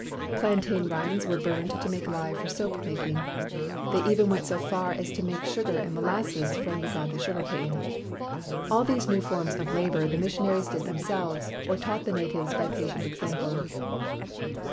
Plantain rinds were burned to make lye for soap making. They even went so far as to make sugar and molasses from Uganda sugar cane. All these new forms of labor the missionaries did themselves or taught the natives by pa tient example.